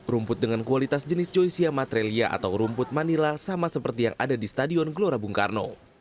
rumput dengan kualitas jenis joysia matrelia atau rumput manila sama seperti yang ada di stadion gelora bung karno